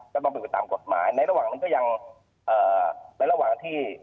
บำบึกไปตามกฎหมายในระหว่างนั้นก็ยังเอ่อในระหว่างที่